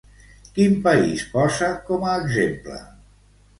Quin país posa com a exemple?